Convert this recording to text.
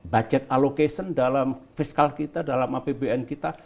budget alocation dalam fiskal kita dalam apbn kita